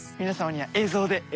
皆様には映像で。